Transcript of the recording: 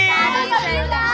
tari lah tari lah